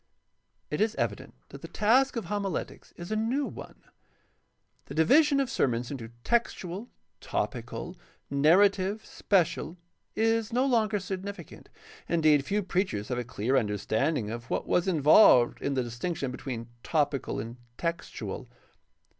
— It is evident that the task of homiletics is a new one. The division of sermons into textual, topical, narrative, special, is no longer significant. Indeed, few preachers have a clear understanding of what was involved in the distinction between topical and textual.